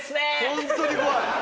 ホントに怖い。